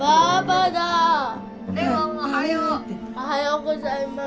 おはようございます。